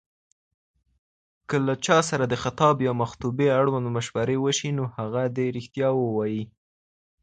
که له چاسره دخاطب يامخطوبې اړوند مشوره وسي، نو هغه دي رښتيا ووايي